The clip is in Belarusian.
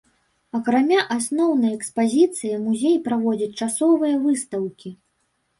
Акрамя асноўнай экспазіцыі музей праводзіць часовыя выстаўкі.